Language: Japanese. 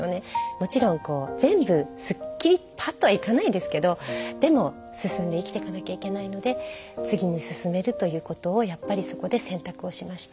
もちろん全部すっきりぱっとはいかないですけどでも進んで生きてかなきゃいけないので次に進めるということをやっぱりそこで選択をしました。